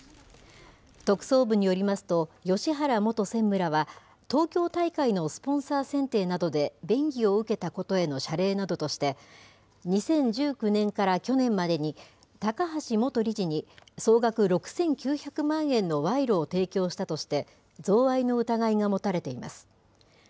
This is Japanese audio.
特捜部によりますと、芳原元専務らは、東京大会のスポンサー選定などで便宜を受けたことへの謝礼などとして、２０１９年から去年までに、高橋元理事に、総額６９００万円の賄賂を提供したとして、贈賄の疑いが持たれています。